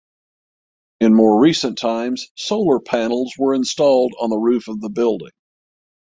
In more recent times solar panels were installed on the roof of the building.